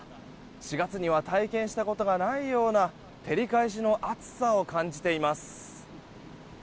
４月には体験したことのないような照り返しの暑さを感じています。